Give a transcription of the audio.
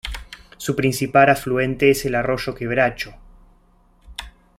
Su principal afluente es el arroyo Quebracho.